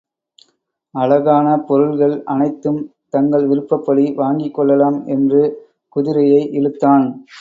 அழகான பொருள்கள் அனைத்தும் தங்கள் விருப்பப்படி வாங்கிக் கொள்ளலாம் என்று, குதிரையை இழுத்தான்.